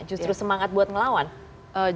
justru semangat buat ngelawan